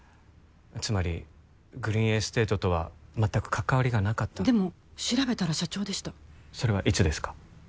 つまりグリーンエステートとは全く関わりがなかったでも調べたら社長でしたそれはいつですか？